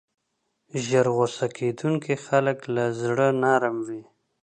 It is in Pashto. ژر غصه کېدونکي خلک له زړه نرم وي.